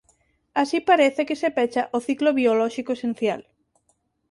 Así parece que se pecha o ciclo biolóxico esencial.